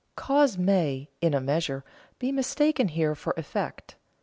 Cause may, in a measure, be mistaken here for effect.